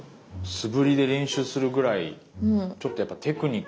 素振りで練習するぐらいちょっとやっぱテクニックいりますよね。